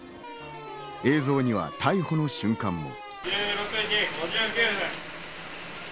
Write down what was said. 映像には逮捕の瞬間も。